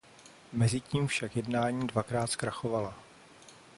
Mezitím však jednání dvakrát zkrachovala.